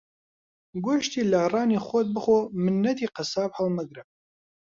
گۆشتی لاڕانی خۆت بخۆ مننەتی قەساب ھەڵمەگرە